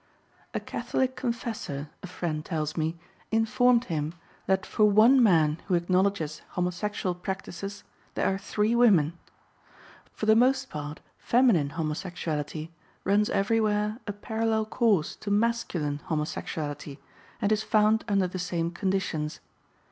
A Catholic confessor, a friend tells me, informed him that for one man who acknowledges homosexual practices there are three women. For the most part feminine homosexuality runs everywhere a parallel course to masculine homosexuality and is found under the same conditions.